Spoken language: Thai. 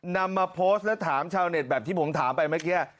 นำมาโพสต์แล้วถามชาวเน็ตแบบที่ผมถามไปเมื่อกี้